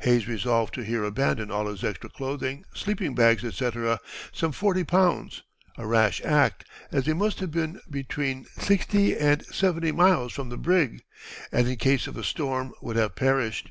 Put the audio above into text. Hayes resolved to here abandon all his extra clothing, sleeping bags, etc., some forty pounds, a rash act, as they must have been between sixty and seventy miles from the brig, and in case of a storm would have perished.